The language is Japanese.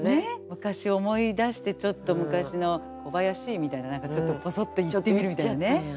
昔を思い出してちょっと昔の「小林」みたいな何かちょっとボソッと言ってみるみたいなね。